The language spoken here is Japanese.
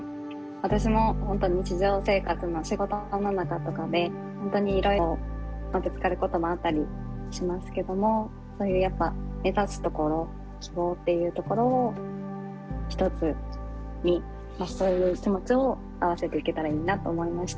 私も本当日常生活の仕事の中とかで本当にいろいろぶつかることもあったりしますけどもそういうやっぱ目指すところ希望っていうところを一つにそういう気持ちを合わせていけたらいいなと思いました。